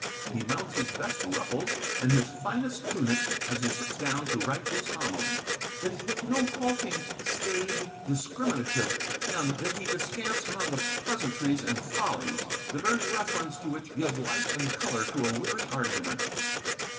He mounts his best ruffles and his finest tunic as he sits down to write his homily. It is with no halting, staid, discriminative pen that he descants upon the pleasantries and follies, the very reference to which give life and colour to a weary argument.